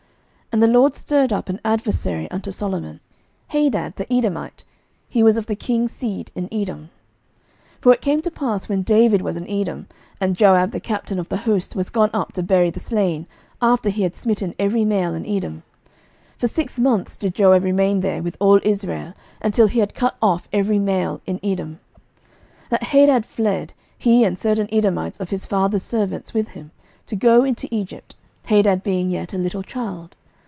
11:011:014 And the LORD stirred up an adversary unto Solomon, Hadad the Edomite: he was of the king's seed in Edom. 11:011:015 For it came to pass, when David was in Edom, and Joab the captain of the host was gone up to bury the slain, after he had smitten every male in Edom; 11:011:016 (For six months did Joab remain there with all Israel, until he had cut off every male in Edom:) 11:011:017 That Hadad fled, he and certain Edomites of his father's servants with him, to go into Egypt; Hadad being yet a little child.